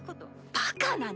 バカなの？